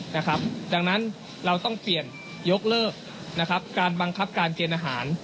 ดังนั้นเราต้องเปลี่ยนยกเลิกนะครับการบังคับการเกณฑ์อาหาร